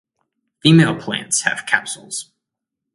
Female plants have capsules.